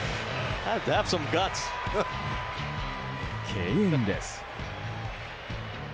敬遠です。